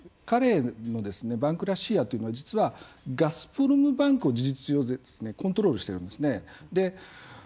彼のバンク・ロシアというのは実はガスプロムバンクを事実上コントロールしてるんですね。